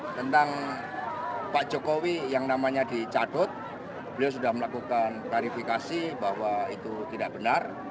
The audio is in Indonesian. tentang pak jokowi yang namanya dicatut beliau sudah melakukan klarifikasi bahwa itu tidak benar